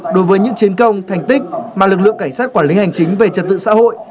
đối với những chiến công thành tích mà lực lượng cảnh sát quản lý hành chính về trật tự xã hội